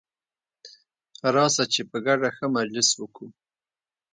راسه چي په ګډه ښه مجلس وکو.